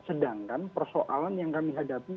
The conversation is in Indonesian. sedangkan persoalan yang kami hadapi